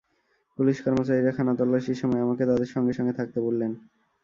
Police কর্মচারীরা খানাতল্লাশির সময়ে আমাকে তঁদের সঙ্গে সঙ্গে থাকতে বললেন।